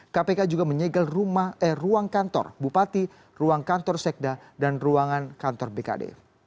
kpk juga menyegel ruang kantor bupati ruang kantor sekda dan ruangan kantor bkd